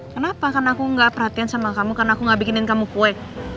kenapa karena aku gak perhatian sama kamu karena aku gak bikinin kamu kue